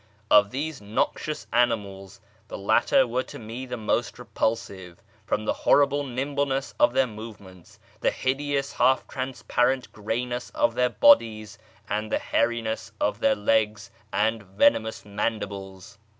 Of these noxious animals, the latter were to me the most repulsive, from the horrible nimbleness of their move ments, the hideous half transparent grayness of their bodies, and the hauiness of their legs and venomous mandibles.